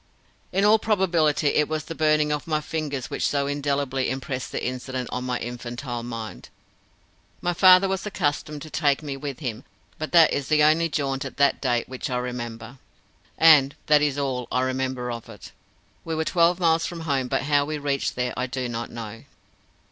In all probability it was the burning of my fingers which so indelibly impressed the incident on my infantile mind. My father was accustomed to take me with him, but that is the only jaunt at that date which I remember, and that is all I remember of it. We were twelve miles from home, but how we reached there I do not know.